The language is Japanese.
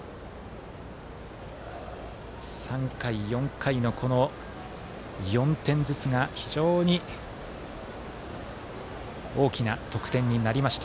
３回、４回の、この４点ずつが非常に大きな得点になりました。